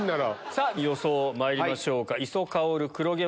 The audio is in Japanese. さぁ予想まいりましょうか。